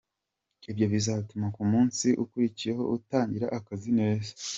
Ibyo bizatuma ku munsi ukurikiyeho utangira akazi neza.